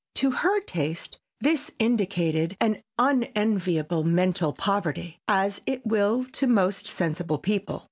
To her taste this indicated an unenviable mental poverty, as it will to most sensible people.